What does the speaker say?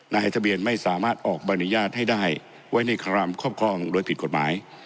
นายทะเบียนไม่สามารถออกใบอนุญาตให้ได้ไว้ในครามครอบครองโดยผิดกฎหมาย